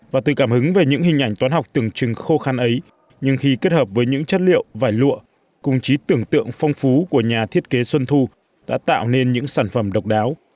và từ cảm hứng về những hình ảnh toán học tưởng chừng khô khan ấy nhưng khi kết hợp với những chất liệu vải lụa cùng trí tưởng tượng phong phú của nhà thiết kế xuân thu đã tạo nên những sản phẩm độc đáo